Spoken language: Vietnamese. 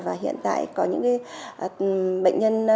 và hiện tại có những bệnh nhân